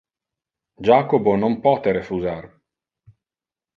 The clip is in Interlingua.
Jacobo non pote refusar.